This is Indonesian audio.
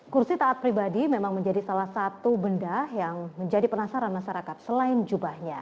kursi taat pribadi memang menjadi salah satu benda yang menjadi penasaran masyarakat selain jubahnya